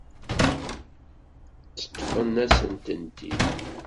Teṭṭfem-asen-tent-id.